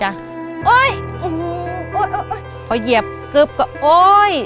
พอเหยียบกึ๊บก็โอ้ย